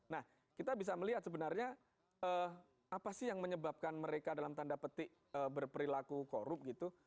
nah kita bisa melihat sebenarnya apa sih yang menyebabkan mereka dalam tanda petik berperilaku korup gitu